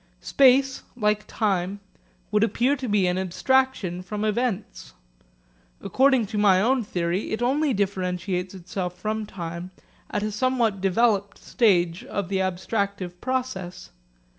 Space, like time, would appear to be an abstraction from events. According to my own theory it only differentiates itself from time at a somewhat developed stage of the abstractive process.